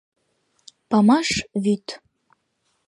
Памаш вӱд.